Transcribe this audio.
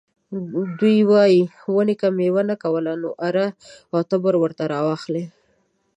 دوی وايي ونې که میوه نه کوله نو اره او تبر ورته راواخلئ.